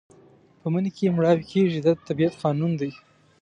په مني کې مړاوي کېږي دا د طبیعت قانون دی.